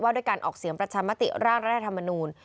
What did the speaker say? ด้วยการออกเสียงประชามติร่างรัฐธรรมนูล